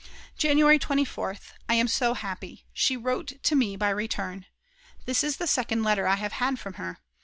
January 24th. I am so happy. She wrote to me by return! This is the second letter I have had from her!